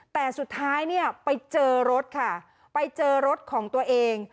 แต่สุดท้ายเนี่ยไปเจอรถค่ะไปเจอรถของตัวเอง